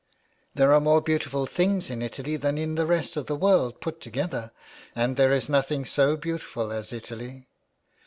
There are more beautiful things in Italy than in the rest of the world put together, and there is nothing so beautiful as Italy.